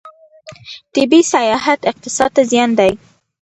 طبي سیاحت اقتصاد ته زیان دی.